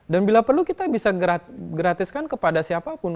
dan bila perlu kita bisa gratiskan kepada siapapun